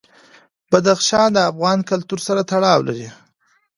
بدخشان د افغان کلتور سره تړاو لري.